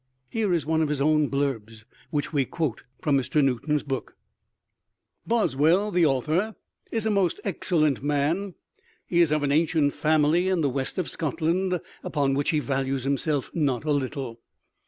Here is one of his own blurbs, which we quote from Mr. Newton's book: Boswell, the author, is a most excellent man: he is of an ancient family in the west of Scotland, upon which he values himself not a little.